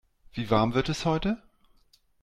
Wie warm wird es heute?